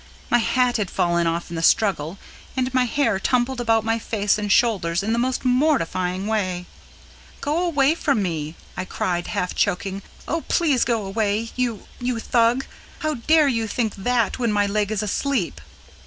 My hat had fallen off in the struggle, and my hair tumbled about my face and shoulders in the most mortifying way. "Go away from me," I cried, half choking. "Oh, PLEASE go away, you you Thug! How dare you think THAT when my leg is asleep?"